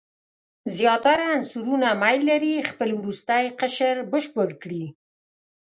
زیاتره عنصرونه میل لري خپل وروستی قشر بشپړ کړي.